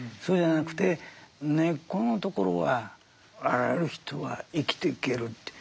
そうじゃなくて根っこのところはあらゆる人は生きていけるって。